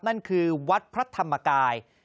นั่นคือวัดพระธรรมกาย